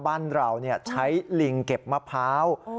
บ้านเราใช้ลิงเก็บมะพร้าว